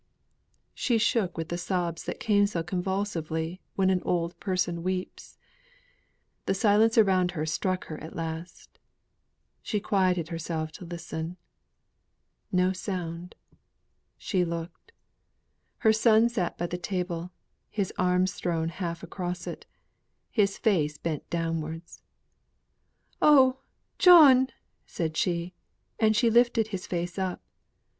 She shook with the sobs that come so convulsively when an old person weeps. The silence around her struck her at last; and she quieted herself to listen. No sound. She looked. Her son sate by the table, his arms thrown half across it, his head bent face downwards. "Oh, John!" she said, and she lifted his face up.